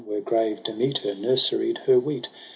Where grave Demeter nurseried her wheat.